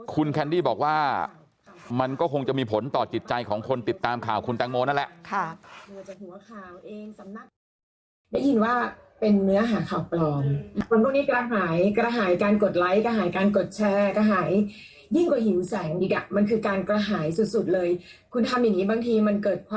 คุณแคนดี้บอกว่ามันก็คงจะมีผลต่อจิตใจของคนติดตามข่าวคุณแตงโมนั่นแหละ